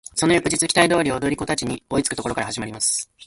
その翌日期待通り踊り子達に追いつく処から始まります。